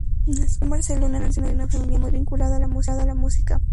Nació en Barcelona en el seno de una familia muy vinculada a la música.